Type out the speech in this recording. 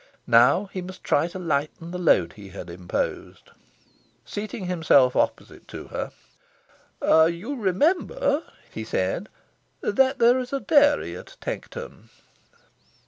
Now he must try to lighten the load he had imposed. Seating himself opposite to her, "You remember," he said, "that there is a dairy at Tankerton?"